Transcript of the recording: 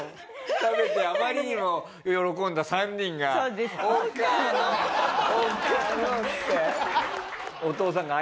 食べてあまりにも喜んだ３人が「を